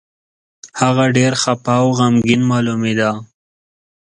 هغه ډېر خپه او غمګين مالومېده.